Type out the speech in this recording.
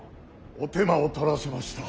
お手間を取らせました。